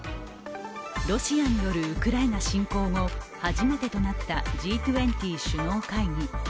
ロシアによるウクライナ侵攻後初めてとなったＧ２０首脳会議。